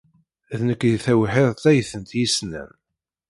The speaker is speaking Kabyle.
D nekk ay d tawḥidt ay tent-yessnen.